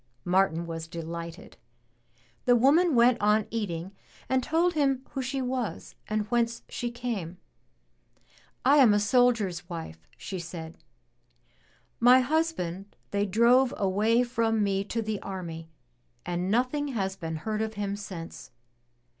Martin was delighted. The woman went on eating and told him who she was and whence she came. *1 am a soldier's wife," she said. *'My husband they drove away from me to the army and nothing has been heard of him since.